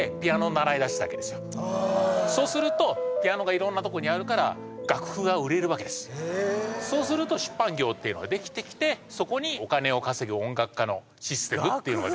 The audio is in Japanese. あそうするとピアノが色んなとこにあるからへえそうすると出版業っていうのができてきてそこにお金を稼ぐ音楽家のシステムっていうのができたんです